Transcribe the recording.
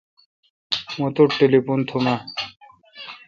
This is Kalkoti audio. مہ توٹھ ٹلیفون تھوم۔